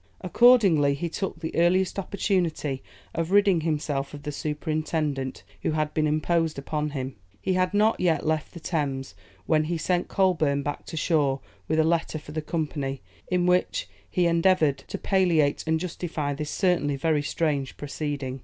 Accordingly, he took the earliest opportunity of ridding himself of the superintendent who had been imposed upon him. He had not yet left the Thames when he sent Coleburne back to shore with a letter for the Company, in which he endeavoured to palliate and justify this certainly very strange proceeding.